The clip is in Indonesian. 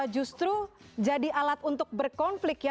justru jadi alat untuk berkonflik ya